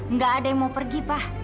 nggak ada yang mau pergi pak